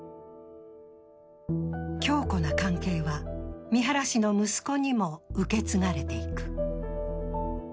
強固な関係は三原氏の息子にも受け継がれていく。